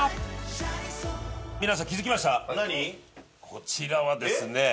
こちらはですね